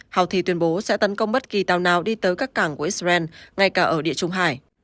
houthi tuyên bố sẽ tấn công bất kỳ tàu nào đi tới các cảng của israel ngay cả ở địa trung hải